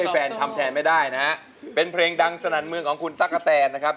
แฟนทำแทนไม่ได้นะฮะเป็นเพลงดังสนั่นเมืองของคุณตั๊กกะแตนนะครับ